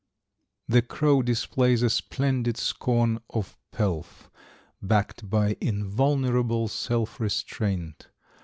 = The Crow displays a splendid scorn of pelf, Backed by invulnerable self restraint.